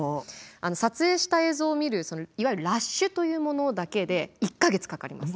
あの撮影した映像を見るいわゆるラッシュというものだけで１か月かかります。